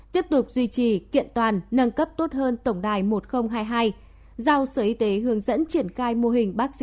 tiếp tục duy trì kiện toàn nâng cấp tốt hơn tổng đại dịch